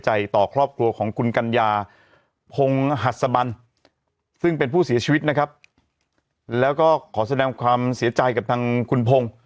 หัสบันซึ่งเป็นผู้เสียชีวิตนะครับแล้วก็ขอแสดงความเสียใจกับทางคุณพง